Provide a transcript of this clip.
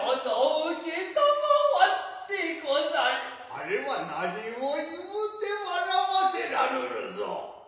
あれは何をいふて笑はせらるるぞ。